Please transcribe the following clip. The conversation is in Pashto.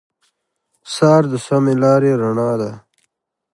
سهار د سمې لارې رڼا ده.